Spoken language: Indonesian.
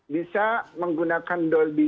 bisa menggunakan dolby